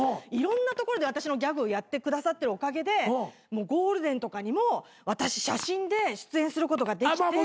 いろんなところで私のギャグをやってくださってるおかげでゴールデンとかにも私写真で出演することができて。